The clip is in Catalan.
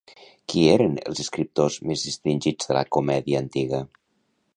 Qui eren els escriptors més distingits de la comèdia antiga?